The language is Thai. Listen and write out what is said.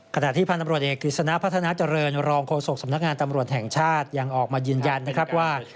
ขณะที่พันธ์ตำรวจเอกกฤษณะพัฒนาเจริญรองโฆษกสำนักงานตำรวจแห่งชาติยังออกมายืนยันนะครับว่า